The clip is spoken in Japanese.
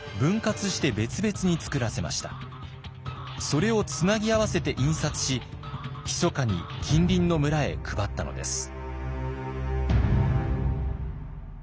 それをつなぎ合わせて印刷しひそかに近隣の村へ配ったのです。